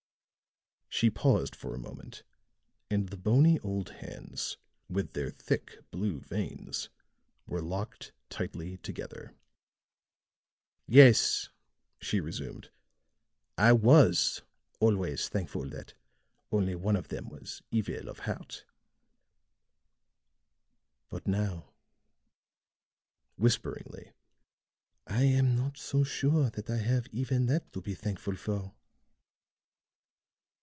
She paused for a moment, and the bony old hands, with their thick blue veins, were locked tightly together. "Yes," she resumed, "I was always thankful that only one of them was evil of heart, but now," whisperingly, "I am not so sure that I have even that to be thankful for."